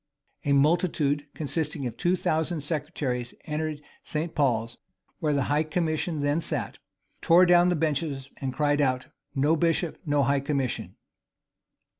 [] A multitude, consisting of two thousand secretaries, entered St. Paul's, where the high commission then sat, tore down the benches, and cried out, "No bishop; no high commission."